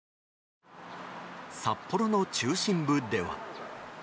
札幌の中心部では。